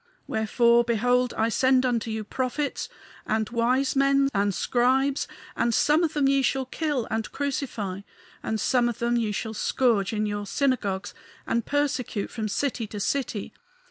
Wherefore, behold, I send unto you prophets and wise men and scribes; and some of them ye shall kill and crucify, and some of them ye shall scourge in your synagogues and persecute from city to city.